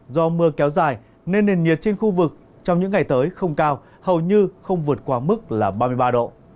do mưa kéo dài nên nền nhiệt trên khu vực trong những ngày tới không cao hầu như không vượt qua mức là ba mươi ba độ